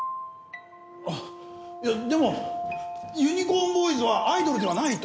いやでもユニコーンボーイズはアイドルではないと。